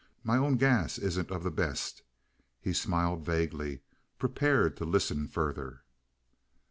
My own gas isn't of the best." He smiled vaguely, prepared to listen further.